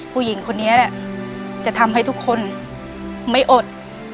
ผู้หญิงคนนี้แหละจะทำให้ทุกคนไม่อด